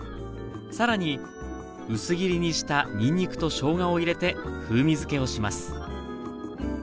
更に薄切りにしたにんにくとしょうがを入れて風味づけをします